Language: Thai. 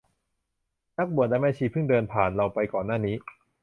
นักบวชและแม่ชีเพิ่งเดินผ่านเราไปก่อนหน้านี้